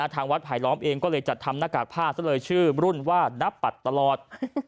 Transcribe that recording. ทางวัดไผลล้อมเองก็เลยจัดทำหน้ากากผ้าซะเลยชื่อรุ่นว่านับปัดตลอด